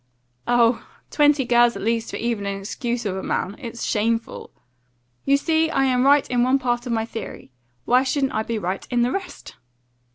"Oh, twenty girls at least for even an excuse of a man. It's shameful." "You see, I am right in one part of my theory. Why shouldn't I be right in the rest?"